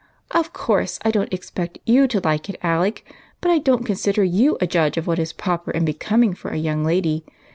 " Of course I don't expect yoic to like it, Alec, but I don't consider you a judge of what is proper and be coming for a young lady.